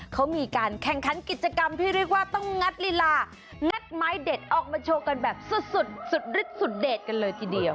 เขามีการแข่งขันกิจกรรมที่เรียกว่าต้องงัดลีลางัดไม้เด็ดออกมาโชว์กันแบบสุดสุดฤทธสุดเด็ดกันเลยทีเดียว